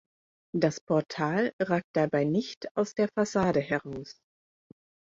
Das Portal ragt dabei nicht aus der Fassade heraus.